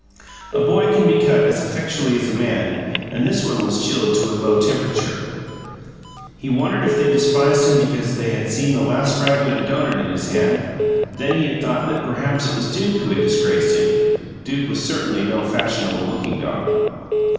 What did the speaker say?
A boy can be cut as effectually as a man, and this one was chilled to a low temperature. He wondered if they despised him because they had seen a last fragment of doughnut in his hand; then he thought that perhaps it was Duke who had disgraced him. Duke was certainly no fashionable looking dog.